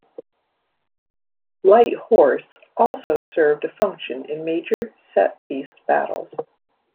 Light horse also served a function in major set-piece battles.